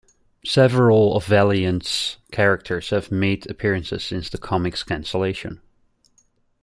Several of "Valiant"'s characters have made appearances since the comic's cancellation.